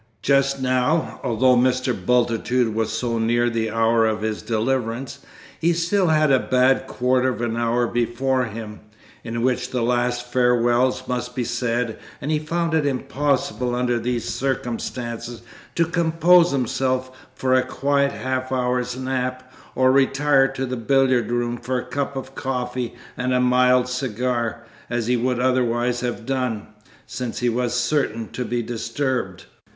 Just now, although Mr. Bultitude was so near the hour of his deliverance, he still had a bad quarter of an hour before him, in which the last farewells must be said, and he found it impossible under these circumstances to compose himself for a quiet half hour's nap, or retire to the billiard room for a cup of coffee and a mild cigar, as he would otherwise have done since he was certain to be disturbed.